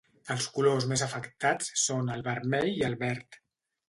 Els colors més afectats són el vermell i el verd.